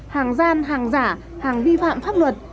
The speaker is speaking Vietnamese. hàng gian hàng giả hàng vi phạm pháp luật